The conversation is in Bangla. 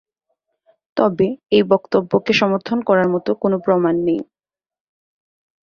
তবে এই বক্তব্যকে সমর্থন করার মত কোনো প্রমাণ নেই।